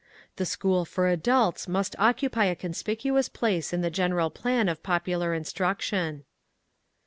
The school for adults must occupy a conspicuous place in the general plan of popular instruction.